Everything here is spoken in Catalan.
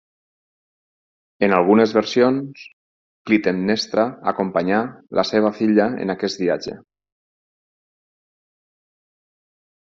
En algunes versions, Clitemnestra acompanyà la seva filla en aquest viatge.